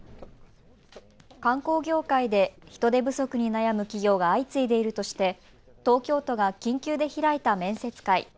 観光業界で人手不足に悩む企業が相次いでいるとして東京都が緊急で開いた面接会。